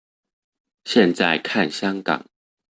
現在看香港